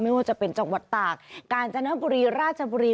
ไม่ว่าจะเป็นจังหวัดตากกาญจนบุรีราชบุรี